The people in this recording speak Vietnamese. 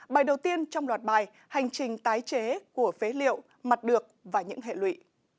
bài đầu tiên trong loạt bài hành trình tái chế của phế liệu mặt được và những hệ lụy